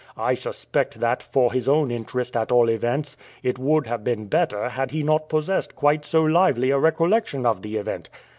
I suspect that, for his own interest at all events, it would have been better had he not possessed quite so lively a recollection of the event."